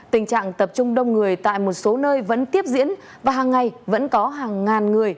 tình trạng tập trung đông người tại một số nơi vẫn tiếp diễn và hàng ngày vẫn có hàng ngàn người